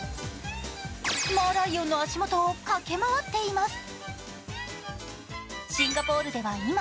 マーライオンの足元を駆け回っています。